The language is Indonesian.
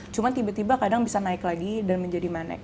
cuma tiba tiba kadang bisa naik lagi dan menjadi manek